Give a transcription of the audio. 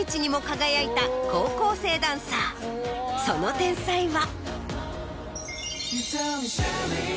その天才は。